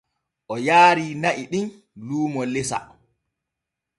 O yaari na'i ɗin luumo lesa.